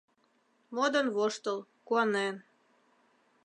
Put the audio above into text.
Модын-воштыл, куанен